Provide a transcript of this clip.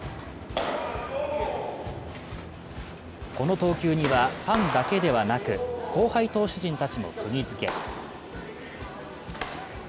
この投球には、ファンだけではなく後輩投手陣たちもくぎづけ。